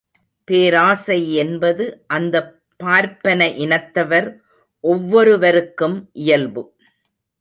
பேராசை என்பது அந்தப் பார்ப்பன இனத்தவர் ஒவ்வொருவருக்கும் இயல்பு.